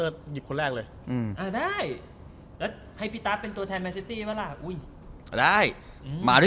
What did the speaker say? ใจหมา